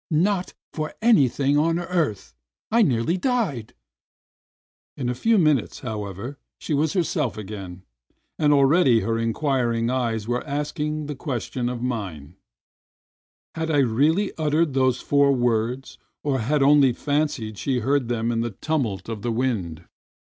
"Not for anything on earth. I nearly died!" In a few minutes, however, she was herself again, and already her inquiring eyes were asking the ques tion of mine: "Had I really uttered those four words, or had she only fancied she heard them in the tumult of the wind?"